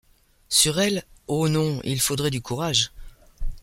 Sur elle, oh ! non ! faudrait du courage. ..